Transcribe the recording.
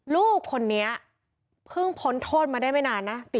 ลูกคนนี้เพิ่งพ้นโทษมาได้ไม่นานนะ